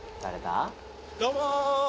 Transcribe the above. どうも！